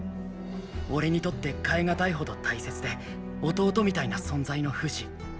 俺にとって代えがたいほど大切で弟みたいな存在のフシ。